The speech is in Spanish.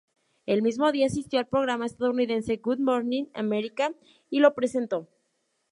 El mismo día, asistió al programa estadounidense "Good Morning America" y lo presentó.